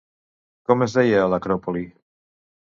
Com es deia l'acròpoli?